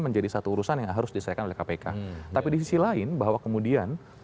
menjadi satu urusan yang harus diselesaikan oleh kpk tapi di sisi lain bahwa kemudian